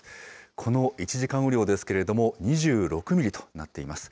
この１時間雨量ですけれども、２６ミリとなっています。